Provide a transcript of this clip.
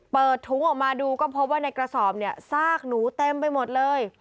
เปิดถุงออกมาดูก็พบว่าในกระสอบเนี่ยซากหนูเต็มไปหมดเลย